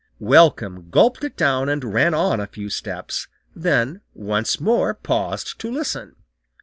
Welcome gulped it down and ran on a few steps, then once more paused to listen.